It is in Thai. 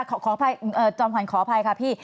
ขออภัยจอมขวัญขออภัยค่ะพี่